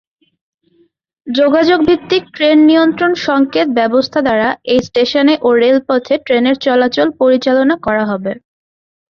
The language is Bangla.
যোগাযোগ ভিত্তিক ট্রেন নিয়ন্ত্রণ সংকেত ব্যবস্থা দ্বারা এই স্টেশনে ও রেলপথে ট্রেনের চলাচল পরিচালনা করা হবে।